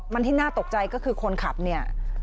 มันที่น่าตกใจก็คือคนขับเนี่ย